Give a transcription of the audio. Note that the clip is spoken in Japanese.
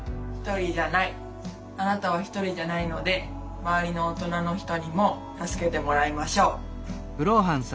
あなたはひとりじゃないので周りの大人の人にも助けてもらいましょう。